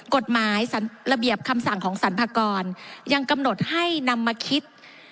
กฎหมายระเบียบคำสั่งของสรรพากรยังกำหนดให้นำมาคิด